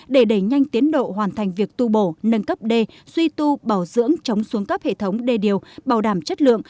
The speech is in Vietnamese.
để đẩy nhanh tiến độ hoàn thành việc tu bổ nâng cấp đê suy tu bảo dưỡng chống xuống cấp hệ thống đê điều bảo đảm chất lượng